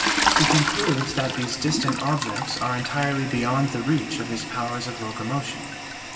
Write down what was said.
He concludes that these distant objects are entirely beyond the reach of his powers of locomotion.